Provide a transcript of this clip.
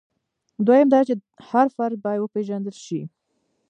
دویم دا چې هر فرد باید وپېژندل شي.